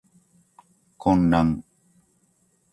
混乱